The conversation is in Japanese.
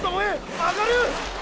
上がる！